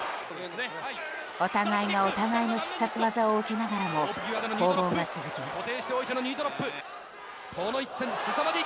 お互いがお互いの必殺技を受けながらも攻防が続きます。